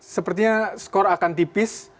sepertinya skor akan tipis